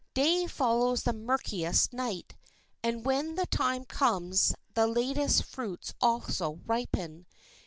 Day follows the murkiest night, and when the time comes the latest fruits also ripen.